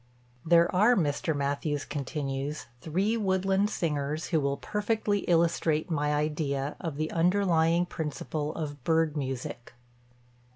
"There are," Mr. Mathews continues, "three woodland singers who will perfectly illustrate my idea of the underlying principle of bird music.